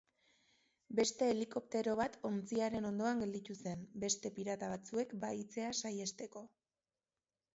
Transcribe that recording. Beste helikoptero bat ontziaren ondoan gelditu zen beste pirata batzuek bahitzea saihesteko.